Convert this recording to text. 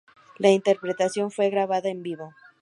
La interpretación fue grabada en vivo.